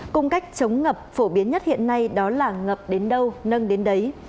cùng cách chống ngập phổ biến nhất hiện nay đó là ngập đến đâu nâng đến đấy